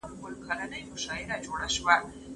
ته کسان ډیر دي